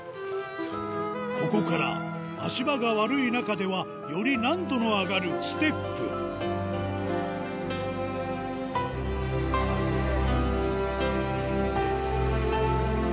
ここから足場が悪い中ではより難度の上がるステップおぉ！きれい！